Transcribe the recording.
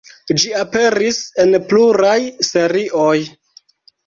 Ĝi aperis en pluraj serioj.